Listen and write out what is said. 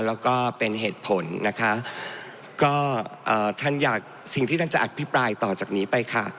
แล้วก็เป็นเหตุผลนะคะก็เอ่อท่านอยากสิ่งที่ท่านจะอภิปรายต่อจากนี้ไปค่ะ